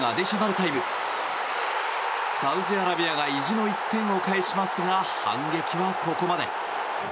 タイムサウジアラビアが意地の１点を返しますが反撃はここまで。